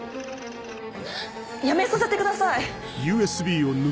やめさせてください！